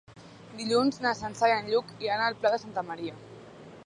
Dilluns na Sança i en Lluc iran al Pla de Santa Maria.